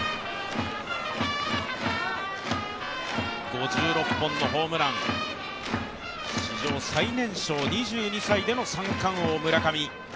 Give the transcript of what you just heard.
５６本のホームラン史上最年少２２歳での三冠王・村上。